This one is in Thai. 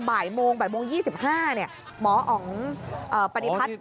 บ่ายโมงบ่ายโมง๒๕หมออ๋องปฏิพัฒน์